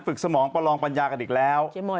สมองประลองปัญญากันอีกแล้ว